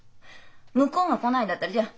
向こうが来ないんだったらじゃあ